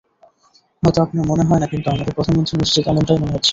হয়ত আপনার মনে হয় না, কিন্তু আমাদের প্রধানমন্ত্রীর নিশ্চিত এমনটাই মনে হচ্ছে।